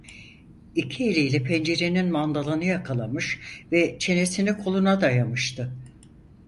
İki eliyle pencerenin mandalını yakalamış ve çenesini koluna dayamıştı.